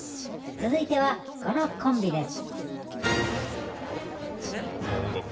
続いてはこのコンビです。